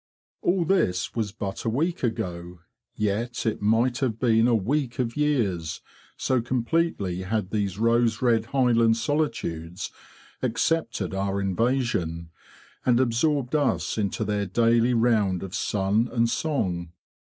All this was but a week ago; yet it might have been a week of years, so completely had these rose red highland solitudes accepted our invasion, and absorbed us into their daily round of sun and song.